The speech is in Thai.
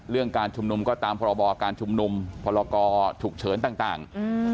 เรื่องการชุมนุมก็ตามพบการชุมนุมพกฉุกเฉินต่าง